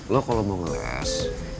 lo kalau mau ngeles